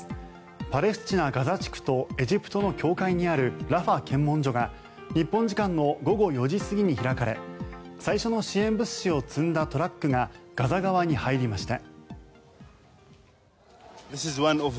パレスチナ・ガザ地区とエジプトの境界にあるラファ検問所が日本時間の午後４時過ぎに開かれ最初の支援物資を積んだトラックがガザ側に入りました。